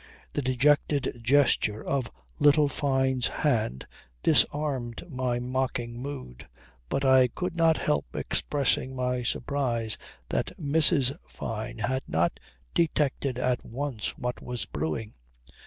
The dejected gesture of little Fyne's hand disarmed my mocking mood. But I could not help expressing my surprise that Mrs. Fyne had not detected at once what was brewing.